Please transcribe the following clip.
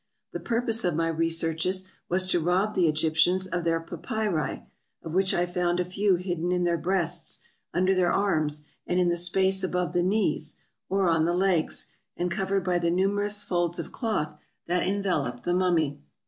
The purpose of my researches was to rob the Egyptians of their papyri, of which I found a few hidden in their breasts, under their arms, and in the space above the knees, or on the' legs, and covered by the numerous folds of cloth that envelop the mummy.